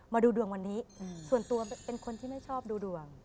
มาดูดวงวันนี้ส่วนตัวเป็นคนที่ไม่ชอบดูดวง